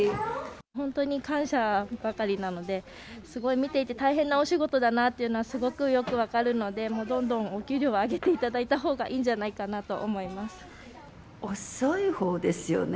本当に感謝ばかりなので、すごい見ていて大変なお仕事だなというのはすごくよく分かるので、どんどんお給料は上げていただいたほうがいいんじゃないかなと思遅いほうですよね。